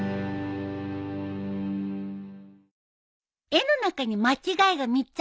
絵の中に間違いが３つあるよ。